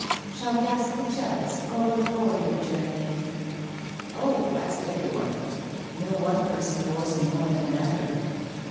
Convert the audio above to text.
* Shall we ask the Judds, or will it bore you, Jeremy ?'( Oh, ask everyone. No one person bores me more than another.'